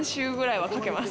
はかけます。